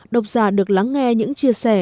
độc giả được lắng nghe những chia sẻ